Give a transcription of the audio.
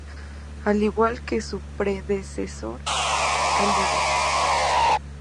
Al igual que su predecesor "Alive!